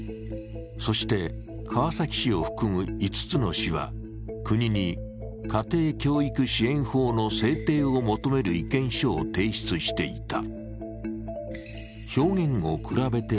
そして、川崎市を含む５つの市は国に家庭教育支援法の制定を求める意見書を提出していた。